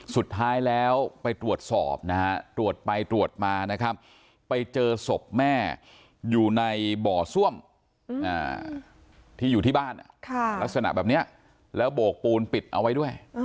สุดท้ายแล้วไปตรวจสอบนะฮะตรวจไปตรวจมานะครับไปเจอศพแม่อยู่ในบ่อซ่วมที่อยู่ที่บ้านลักษณะแบบนี้แล้วโบกปูนปิดเอาไว้ด้วย